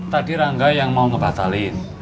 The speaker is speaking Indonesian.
tadi rangga yang mau ngebatalin